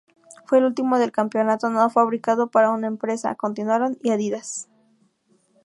Fue el último del campeonato no fabricado por una gran empresa —continuaron y Adidas—.